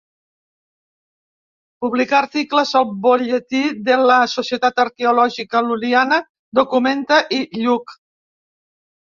Publicà articles al Bolletí de la Societat Arqueològica Lul·liana, Documenta i Lluc.